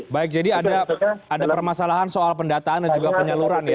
baik jadi ada permasalahan soal pendataan dan juga penyaluran ya